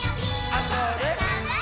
あ、それっ。